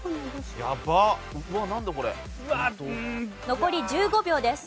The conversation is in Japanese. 残り１５秒です。